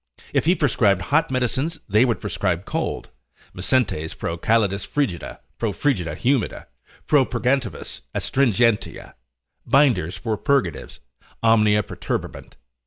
If he prescribed hot medicines they would prescribe cold, miscentes pro calidis frigida, pro frigidis humida, pro purgantibus astringentia, binders for purgatives, omnia perturbabant.